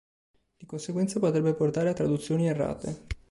Di conseguenza, potrebbe portare a traduzioni errate.